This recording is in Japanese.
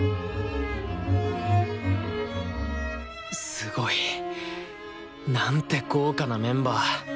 すごい！なんて豪華なメンバー！